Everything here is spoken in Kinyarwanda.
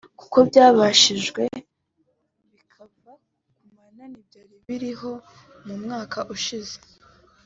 kuko byagabanyijwe bikava ku munani byari biriho mu mwaka ushize